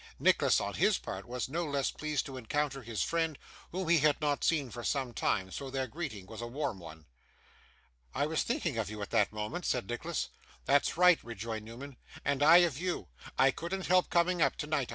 Nicholas, on his part, was no less pleased to encounter his friend, whom he had not seen for some time; so, their greeting was a warm one. 'I was thinking of you, at that moment,' said Nicholas. 'That's right,' rejoined Newman, 'and I of you. I couldn't help coming up, tonight.